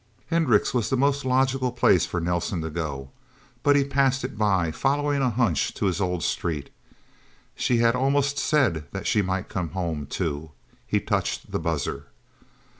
Hendricks' was the most logical place for Nelsen to go, but he passed it by, following a hunch to his old street. She had almost said that she might come home, too. He touched the buzzer.